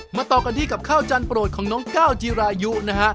ต่อกันที่กับข้าวจันโปรดของน้องก้าวจีรายุนะฮะ